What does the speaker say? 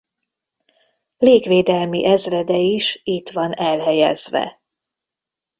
Légvédelmi Ezrede is itt van elhelyezve.